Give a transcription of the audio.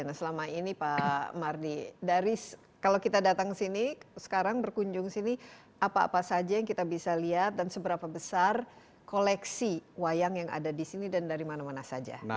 nah selama ini pak mardi dari kalau kita datang sini sekarang berkunjung sini apa apa saja yang kita bisa lihat dan seberapa besar koleksi wayang yang ada di sini dan dari mana mana saja